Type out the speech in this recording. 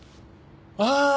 ああ！